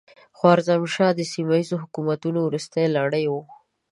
خوارزم شاهان د سیمه ییزو حکومتونو وروستۍ لړۍ وه.